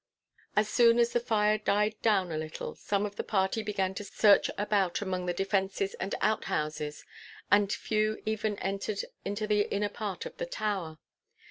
As soon as the fire died down a little, some of the party began to search about among the defences and outhouses, and a few even entered into the inner part of the tower.